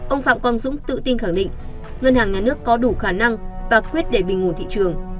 ông phạm quang dũng tự tin khẳng định ngân hàng nhà nước có đủ khả năng và quyết để bình ngồn thị trường